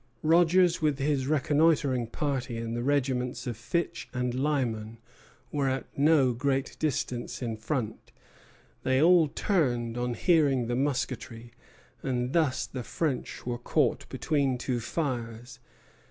Rogers, with his reconnoitring party, and the regiments of Fitch and Lyman, were at no great distance in front. They all turned on hearing the musketry, and thus the French were caught between two fires.